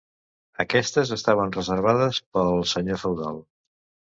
Aquestes estaven reservades pel senyor feudal.